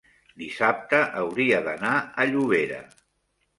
dissabte hauria d'anar a Llobera.